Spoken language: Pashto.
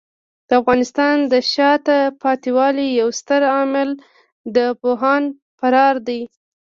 د افغانستان د شاته پاتې والي یو ستر عامل د پوهانو فرار دی.